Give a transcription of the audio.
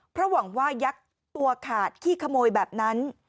เพราะหวังว่ายักษ์ตัวขาดขี้ขโมยแบบนั้น